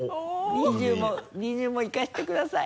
２０も２０もいかせてください。